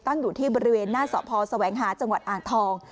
อยู่ที่บริเวณหน้าสพแสวงหาจังหวัดอ่างทอง